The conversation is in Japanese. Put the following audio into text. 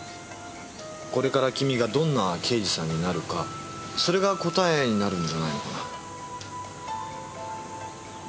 これから君がどんな刑事さんになるかそれが答えになるんじゃないのかな。